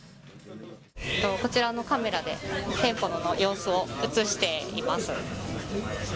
こちらのカメラで店舗の様子を映しています。